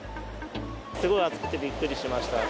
すごい暑くてびっくりしました。